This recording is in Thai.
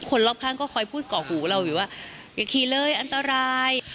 คนรอบข้างก็คอยพูดก่อหูเราอยู่ว่าอย่าขี่เลยอันตราย